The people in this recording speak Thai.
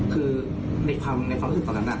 คือในความรู้สึกตอนนั้น